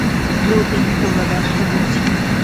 Blue team, তোমরা ব্যর্থ হয়েছো।